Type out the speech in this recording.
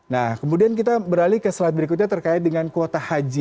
nah kemudian kita beralih ke slide berikutnya terkait dengan kuota haji